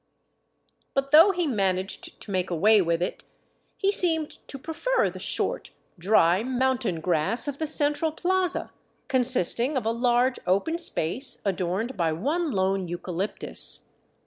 But, though he man aged to make away with it, he seemed to prefer the short, dry mountain grass of the central plaza, consisting of a large, open space adorned by one lone eucalyptus.